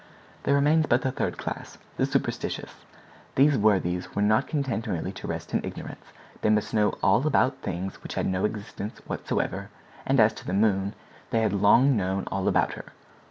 There remains but the third class, the superstitious. These worthies were not content merely to rest in ignorance; they must know all about things which had no existence whatever, and as to the moon, they had long known all about her.